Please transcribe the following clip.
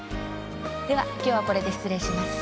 では、きょうはこれで失礼します。